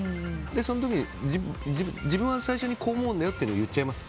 その時に自分は最初にこう思うんだよって言っちゃいます。